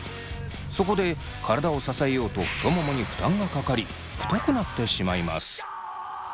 そこで体を支えようと太ももに負担がかかり太くなってしまいます。